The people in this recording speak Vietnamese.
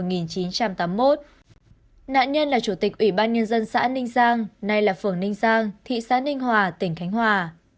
nạn nhân là chủ tịch ủy ban nhân dân xã ninh giang nay là phường ninh giang thị xã ninh hòa tỉnh khánh hòa